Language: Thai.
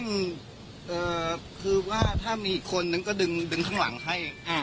ต้องเอ่อคือว่าถ้ามีคนหนึ่งก็ดึงดึงข้างหลังให้อ่า